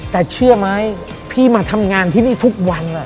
แต่เชื่อไหมพี่มาทำงานที่นี่ทุกวัน